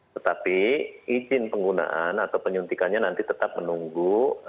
tetapi izin penggunaan atau penyuntikannya nanti tetap menunggu